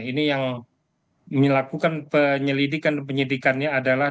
ini yang dilakukan penyelidikan dan penyidikannya adalah